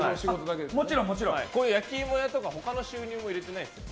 焼き芋屋とか他の収入も入れてないですよね。